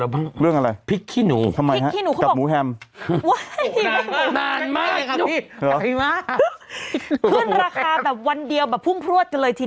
เมื่อก่อนก็ไม่ไป